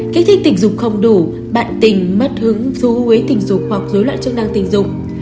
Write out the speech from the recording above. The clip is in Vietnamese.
kết thích tình dục không đủ bạn tình mất hứng dù hối tình dục hoặc dối loạn chức năng tình dục